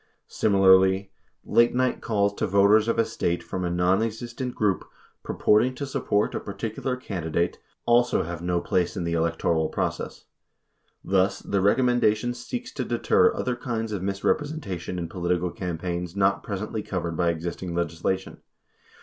_ Similarly, late night calls to voters of a State from a nonexistent group purporting to support a particular candidate also have no place in the electoral process. Thus, this recommendation seeks to deter other kinds of misrepresentation in political campaigns not presently covered by existing legislation.